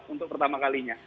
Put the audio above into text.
untuk pertama kalinya